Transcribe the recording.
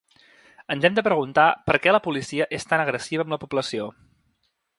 “Ens hem de preguntar per què la policia és tan agressiva amb la població”.